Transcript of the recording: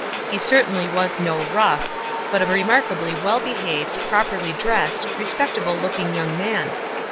He certainly was no "rough," but a remarkably well behaved, prop erly dressed, respectable looking young man.